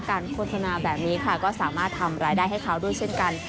โฆษณาแบบนี้ค่ะก็สามารถทำรายได้ให้เขาด้วยเช่นกัน